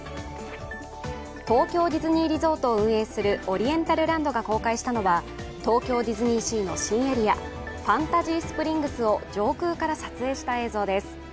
東京ディズニーリゾートを運営するオリエンタルランドが公開したのは東京ディズニーシーの新エリア、ファンタジースプリングスを上空から撮影した映像です。